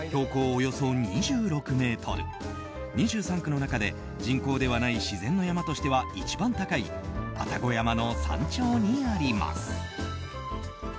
およそ２６ｍ２３区の中で人工ではない自然の山としては一番高い愛宕山の山頂にあります。